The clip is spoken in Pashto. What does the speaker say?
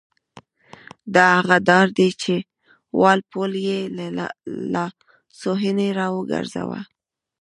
دا هغه ډار دی چې وال پول یې له لاسوهنې را وګرځاوه.